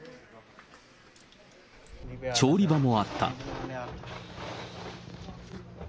調理場もあった。